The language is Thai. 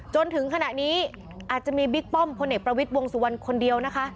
จนถึงขณะนี้อาจจะมีบิ๊กป้อมพลเอกประวิทย์วงสุวรรณคนเดียวนะคะ